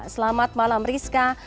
selamat malam rizka